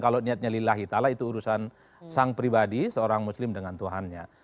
kalau niatnya lillahi ta'ala itu urusan sang pribadi seorang muslim dengan tuhannya